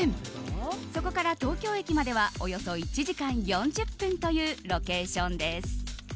そこから東京駅まではおよそ１時間４０分というロケーションです。